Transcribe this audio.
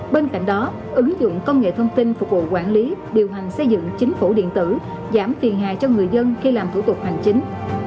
bên cạnh đó ứng dụng công nghệ thông tin phục vụ quản lý điều hành xây dựng chính phủ điện tử giảm phiền hà cho người dân khi làm thủ tục hành chính